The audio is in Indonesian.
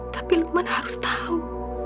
tapi lukman harus tahu